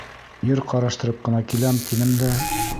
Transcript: Ер ҡараштырып ҡына киләм, тинем дә.